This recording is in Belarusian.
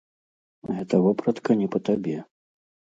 Гэта вопратка не па табе.